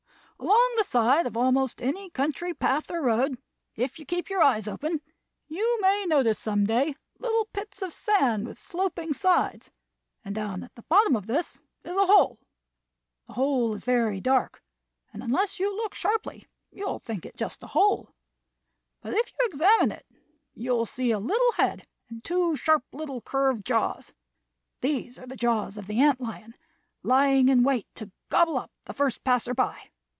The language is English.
Along the side of almost any country path or road, if you keep your eyes open, you may notice some day little pits of sand with sloping sides, and down at the bottom of this is a hole. The hole is very dark, and unless you look sharply you will think it just a hole. But if you examine it you will see a little head and two little sharp, curved jaws. These are the jaws of the ant lion, lying in wait to gobble up the first passer by.